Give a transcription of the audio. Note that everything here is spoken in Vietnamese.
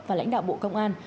và lãnh đạo bộ công an